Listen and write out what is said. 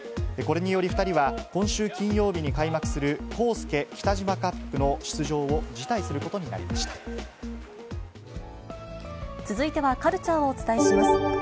これにより２人は、今週金曜日に開幕するコウスケキタジマカップの出場を辞退するこ続いてはカルチャーをお伝えします。